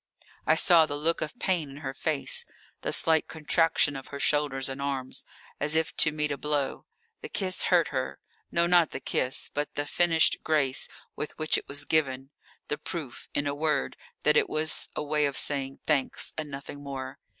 I saw the look of pain in her face, the slight contraction of her shoulders and arms, as if to meet a blow. The kiss hurt her no, not the kiss, but the finished grace with which it was given, the proof, in a word, that it was a way of saying "Thanks" and nothing more.